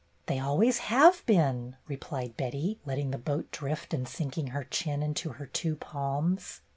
"They always have been," replied Betty, letting the boat drift and sinking her chin into her two palms.